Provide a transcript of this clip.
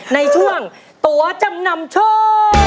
ในช่วงตัวจำนำโชค